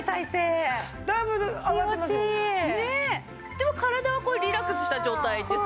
でも体はリラックスした状態ですか？